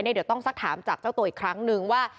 เดี๋ยวต้องสักถามจากเจ้าตัวอีกครั้งนึงว่า